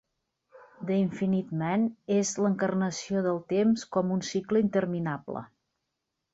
The Infinite Man és l'encarnació del temps com un cicle interminable.